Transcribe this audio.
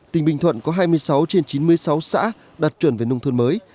tỉnh bình thuận có hai mươi sáu trên chín mươi sáu xã đặt chuẩn về nông thuần mới